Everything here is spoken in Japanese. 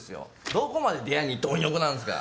どこまで出会いに貪欲なんすか。